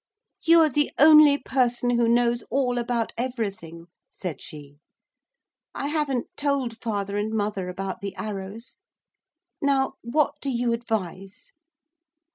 'You're the only person who knows all about everything,' said she. 'I haven't told father and mother about the arrows. Now what do you advise?'